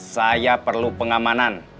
saya perlu pengamanan